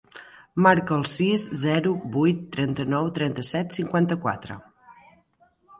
Marca el sis, zero, vuit, trenta-nou, trenta-set, cinquanta-quatre.